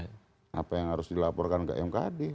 apa yang harus dilaporkan ke mkd